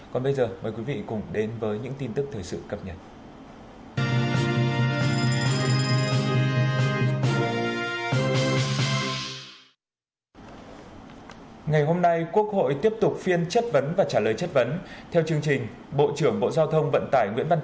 còn bây giờ mời quý vị cùng đến với những tin tức thời sự cập nhật